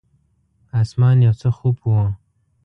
اسمان یو څه خوپ و.